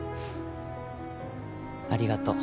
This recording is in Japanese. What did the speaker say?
ありがとう。